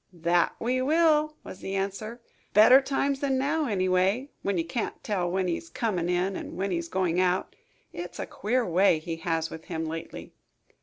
"That we will," was the answer. "Better times than now, anyway, when you can't tell when he is coming in and when he is going out. It is a queer way he has with him lately."